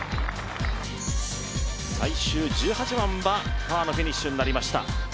最終１８番はパーのフィニッシュになりました。